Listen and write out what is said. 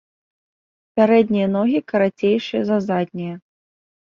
Пярэднія ногі карацейшыя за заднія.